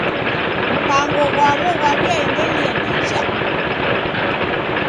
Mpango ghwaw'o ghwaw'iaendelia nicha.